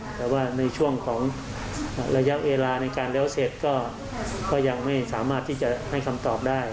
แต่ว่าในช่วงของระยะเวลาในการแล้วเสร็จก็ยังไม่สามารถที่จะให้คำตอบได้